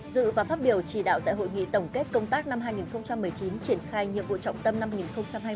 dự và phát biểu chỉ đạo tại hội nghị tổng kết công tác năm hai nghìn một mươi chín triển khai nhiệm vụ trọng tâm năm hai nghìn hai mươi